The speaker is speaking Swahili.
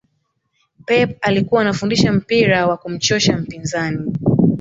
pep alikuwa anafundisha mpira wa kumchosha mpinzani